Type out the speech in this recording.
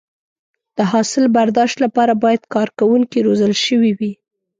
د حاصل برداشت لپاره باید کارکوونکي روزل شوي وي.